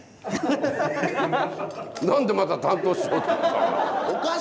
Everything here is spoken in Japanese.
何でまた担当しようと思ったの。